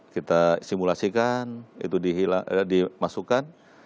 kita simulasikan itu dimasukkan